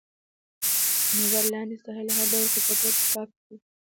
نظر لاندې ساحه له هر ډول ککړتیا څخه پاکه کړئ.